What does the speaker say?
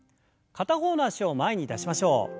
片方の脚を前に出しましょう。